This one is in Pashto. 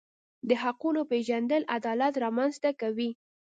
د حقونو پیژندل عدالت رامنځته کوي.